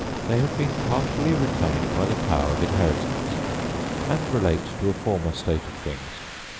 They have been partially retained by the power of inheritance, and relate to a former state of things.